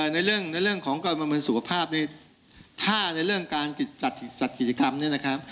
ในเรื่องของสุขภาพถ้าในเรื่องการจัดกิจกรรมนี้นะครับ